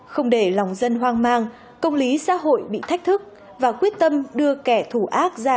không để lòng dân hoang mang công lý xã hội bị thách thức và quyết tâm đưa kẻ thù ác ra